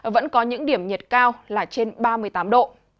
vẫn có những điểm nhiệt cao là trên ba mươi tám độ